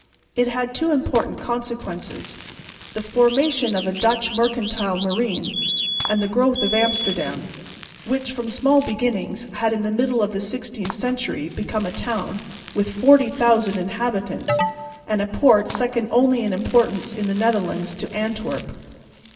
It had two important consequences, the formation of a Dutch Mercantile Marine, and the growth of Amsterdam, which from small beginnings had in the middle of the sixteenth century become a town with 40,000 inhabitants and a port second only in importance in the Netherlands to Antwerp.